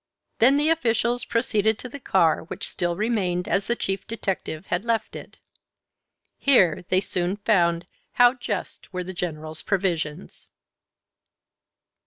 Then the officials proceeded to the car, which still remained as the Chief Detective had left it. Here they soon found how just were the General's previsions.